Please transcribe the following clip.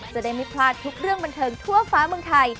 จะได้ไม่พลาดทุกเรื่องบันเทิงทั่วฟ้าเมืองไทย